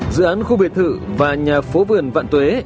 dự án khu biệt thự và nhà phố vườn vạn tuế